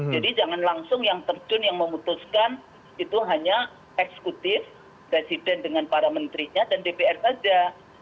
jadi jangan langsung yang terjun yang memutuskan itu hanya eksekutif residen dengan para menterinya dan dprd saja